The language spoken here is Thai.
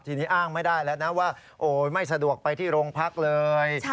ทีนี้อ้างไม่ได้แล้วนะว่าไม่สะดวกไปที่โรงพักเลย